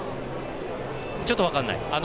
ちょっと分からない。